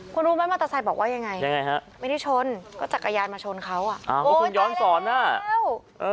คุณรู้มั้ยมอเตอร์ไซค์บอกว่ายังไงไม่ได้ชนก็จักรยานมาชนเขาอ่ะโอ๊ยไปแล้วโอ๊ยไปแล้ว